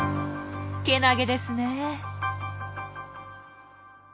けなげですねえ。